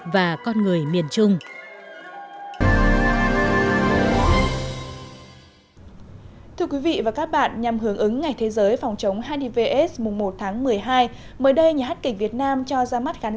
và con người miền trung